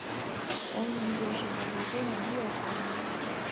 同年结识德国姑娘叶华。